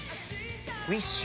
ウィッシュ。